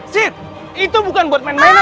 sir itu bukan buat main mainan